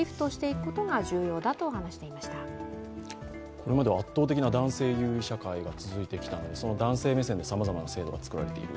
これまでは圧倒的な男性優位社会が続いてきたのでその男性目線でさまざまな制度が作られている。